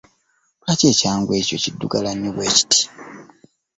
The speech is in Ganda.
Lwaki ekyangwe kyo kiddugala nnyo bwe kiti?